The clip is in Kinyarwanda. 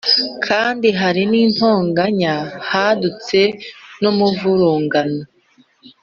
kandi hari n’intonganya, hadutse n’umuvurungano